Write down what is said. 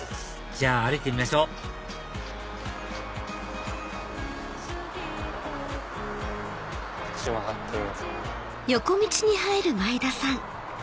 じゃあ歩いてみましょうこっち曲がってみようかな。